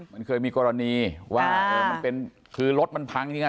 มันเคยมีกรณีว่าเออมันเป็นคือรถมันพังอย่างนี้อ่ะ